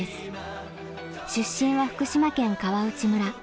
出身は福島県川内村。